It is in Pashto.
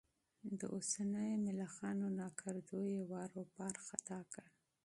د اوسنيو ملخانو ناکردو یې واروپار ختا کړ.